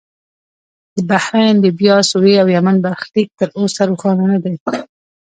د بحرین، لیبیا، سوریې او یمن برخلیک تر اوسه روښانه نه دی.